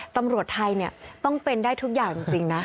ตำรวจไทยเนี้ยต้องเป็นได้ทุกอย่างจริงจริงนะ